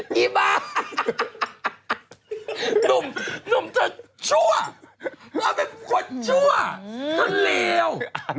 นี่บ้านนุ่มนุ่มเธอชั่วแล้วเป็นผู้คนชั่วเธอเลว